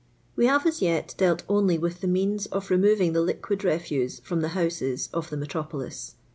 Wk have as yet dealt only with the means of removing the liquid refuse from the houses of the metropolis.